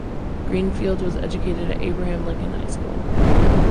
Greenfield was educated at Abraham Lincoln High School.